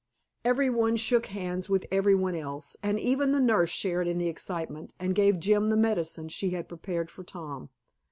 Every one shook hands with every one else, and even the nurse shared in the excitement and gave Jim the medicine she had prepared for Tom.